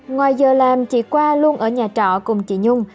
ngoài giờ làm chị qua luôn ở nhà trọ cùng chị nhung